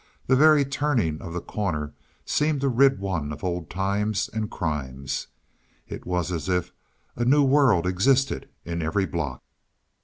The very turning of the corner seemed to rid one of old times and crimes. It was as if a new world existed in every block.